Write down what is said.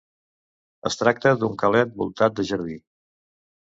Es tracta d'un calet voltat de jardí.